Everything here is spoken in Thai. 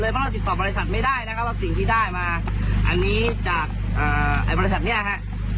เพราะเราติดต่อบริษัทไม่ได้นะครับว่าสิ่งที่ได้มาอันนี้จากเอ่อไอ้บริษัทเนี้ยครับ